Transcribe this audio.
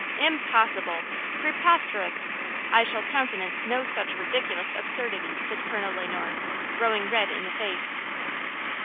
"Impossible! preposterous! I shall countenance no such ridiculous absurdity!" said Colonel Le Noir, growing red in the face.